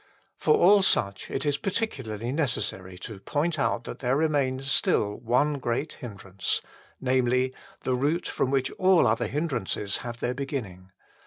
For all such it is particularly necessary to point out that there remains still one great hindrance namely, the root from which all other hindrances have their beginning.